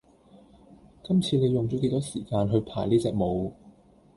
今次你用咗幾多時間去排呢隻舞￼